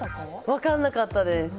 分かんなかったです。